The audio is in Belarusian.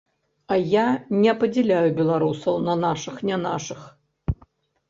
А я не падзяляю беларусаў на нашых-нянашых.